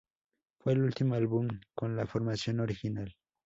Fue el último álbum con la formación original.